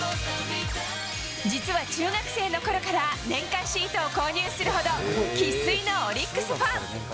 実は中学生のころから、年間シートを購入するほど、生っ粋のオリックスファン。